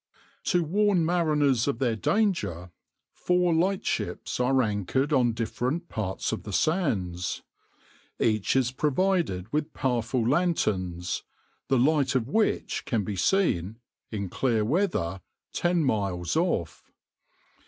To warn mariners of their danger, four lightships are anchored on different parts of the sands. Each is provided with powerful lanterns, the light of which can be seen, in clear weather, ten miles off.